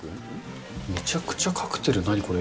めちゃくちゃカクテル、何これ？